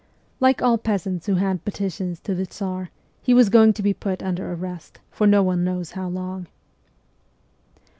Like all peasants who hand petitions to the Tsar, he was going to be put under arrest, for no one knows how long.